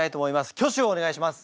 挙手をお願いします！